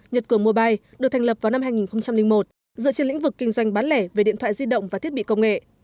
nhật cường mobile được thành lập vào năm hai nghìn một dựa trên lĩnh vực kinh doanh bán lẻ về điện thoại di động và thiết bị công nghệ